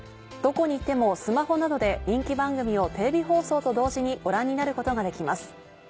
どこにいてもスマホなどで人気番組をテレビ放送と同時にご覧になることができます。